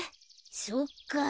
そっか。